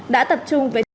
đã tập trung với